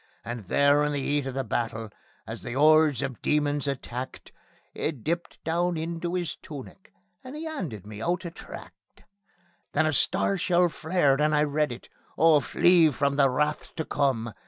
And there in the 'eat of the battle, as the 'ordes of demons attacked, He dipped down into 'is tunic, and 'e 'anded me out a tract. Then a star shell flared, and I read it: Oh, Flee From the Wrath to Come!